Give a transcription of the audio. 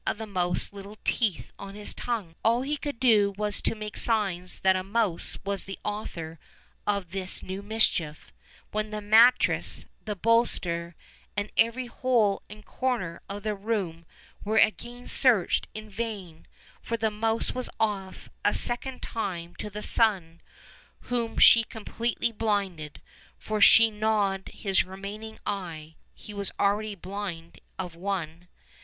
of the mouse's little teeth on his tongue. All he could do was to make signs that a mouse was the author of this new mischief, when the mattress, the bolster, and every hole and corner of the room were again searched in vain, for the mouse was off, a second time, to the son, whom she completely blinded, for she gnawed his remaining eye (he was already blind of one).